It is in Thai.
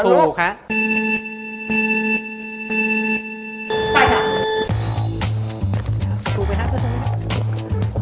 ซูไปท่านกัน